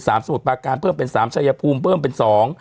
สมุทรปาการเพิ่มเป็นสามชายภูมิเพิ่มเป็นสอง